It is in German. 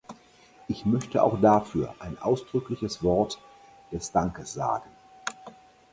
Ich möchte auch dafür ein ausdrückliches Wort des Dankes sagen.